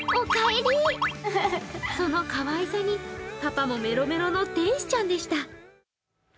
そのかわいさにパパもメロメロの天使ちゃんでした。